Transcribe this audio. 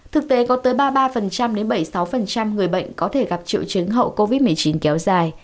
thực tế có tới ba mươi ba đến bảy mươi sáu người bệnh có thể gặp triệu chứng hậu covid một mươi chín kéo dài